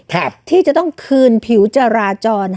ที่จะต้องคืนผิวจราจร